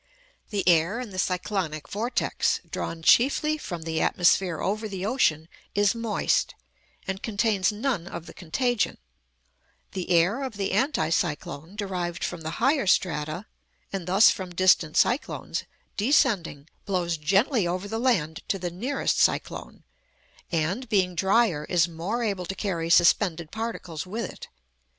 The air in the cyclonic vortex, drawn chiefly from the atmosphere over the ocean, is moist, and contains none of the contagion; the air of the anti cyclone, derived from the higher strata, and thus from distant cyclones, descending, blows gently over the land to the nearest cyclone, and, being drier, is more able to carry suspended particles with it.